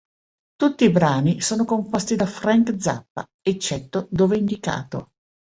Tutti i brani sono composti da Frank Zappa, eccetto dove indicato.